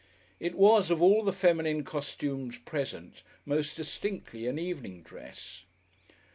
It was, of all the feminine costumes present, most distinctly an evening dress.